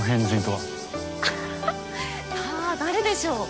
ははっさあ誰でしょう。